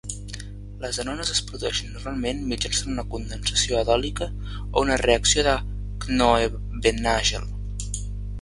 Les enones es produeixen normalment mitjançant una condensació aldòlica o una reacció de Knoevenagel.